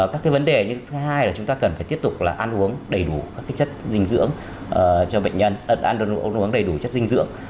các vấn đề thứ hai là chúng ta cần phải tiếp tục là ăn uống đầy đủ các chất dinh dưỡng cho bệnh nhân uống đầy đủ chất dinh dưỡng